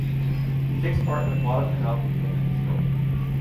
He takes part in the Guadalcanal campaign in this role.